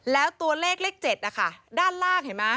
แล้วตัวเลขเลข๗นะคะด้านล่างเห็นไหม